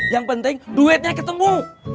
yang penting duitnya ketemu